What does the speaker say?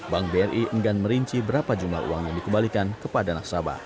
bank bri enggan merinci berapa jumlah uang yang dikembalikan kepada nasabah